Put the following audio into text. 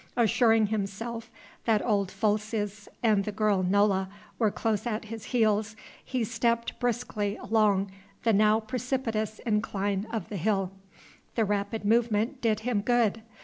Assuring himself that old Folces and the girl Nola were close at his heels, he stepped briskly along the now precipitous incline of the hill. The rapid movement did him good.